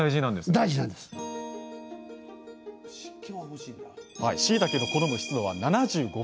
しいたけの好む湿度は７５％以上。